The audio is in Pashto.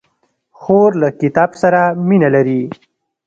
خور له کتاب سره مینه لري.